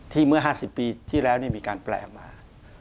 เมื่อ๕๐ปีที่แล้วมีการแปลมา